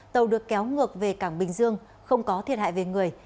tàu được kéo ngược về cảng bình dương không có thiệt hại về người